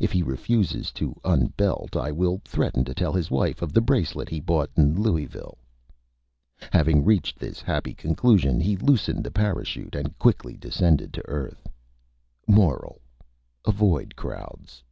"If he refuses to Unbelt I will threaten to tell his Wife of the bracelet he bought in Louisville." Having reached this Happy Conclusion, he loosened the Parachute and quickly descended to the Earth. MORAL: _Avoid Crowds.